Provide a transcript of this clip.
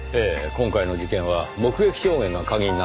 今回の事件は目撃証言が鍵になっていますからねぇ。